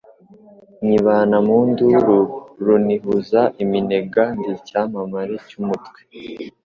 Nyibana mu nduru runihuza iminega ndi icyamamare cy,umutwe